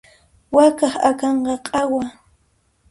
Wakaq akanqa q'awa.